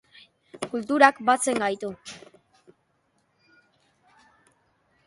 Kulturak batzen gaitu.